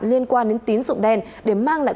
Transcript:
liên quan đến tín dụng đen để mang lại